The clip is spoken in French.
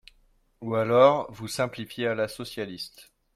Ou alors, vous simplifiez à la socialiste